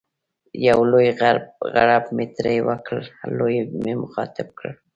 یو لوی غړپ مې ترې وکړ، دوی مې مخاطب کړل.